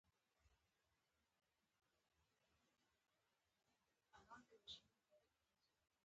د احمد ګاډی چې ورک وو؛ دا دی د علي په سترګو کې ښوري.